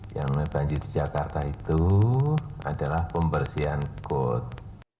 yang membanjir di jakarta itu adalah pembersihan kode